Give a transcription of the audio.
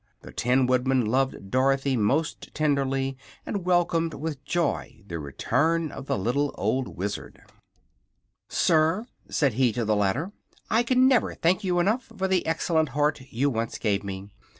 The Tin Woodman loved Dorothy most tenderly, and welcomed with joy the return of the little old Wizard. "Sir," said he to the latter, "I never can thank you enough for the excellent heart you once gave me.